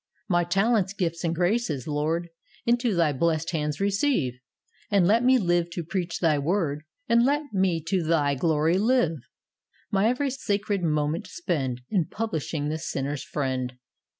My talents, gifts and graces, Lord, Into Thy blessed hands receive. And let me live to preach Thy Word, And let me to Thy glory live ; My every sacred moment spend In publishing the sinner's Friend.'